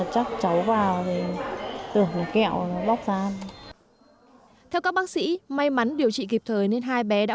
chắc cháu vào thì tưởng kẹo bóc ra ăn theo các bác sĩ may mắn điều trị kịp thời nên hai bé đã